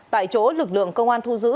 tại chỗ lực lượng công an thu giữ